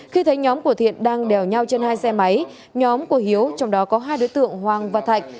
khi thấy nhóm của thiện đang đèo nhau trên hai xe máy nhóm của hiếu trong đó có hai đối tượng hoàng và thạch